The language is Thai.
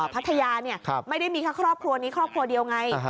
พัทยาไม่ได้มีแค่ครอบครัวนี้ครอบครัวเดียวไง